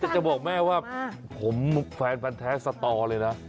แต่จะบอกแม่ว่าผมแฟนพันธ์แท้สตอเลยนะ